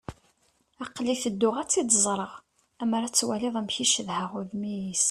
Aql-i tedduɣ ad tt-id-ẓreɣ. Ammer ad twaliḍ amek i cedhaɣ udem-is.